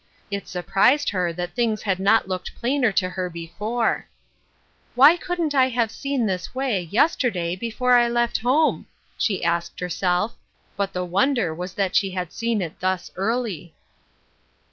It surprised her that things had not looked plainer to her before, " Why couldn't I have seen this way, yesterday, before I left home ?" she asked herself, but the wonder was that she had seen it thus early.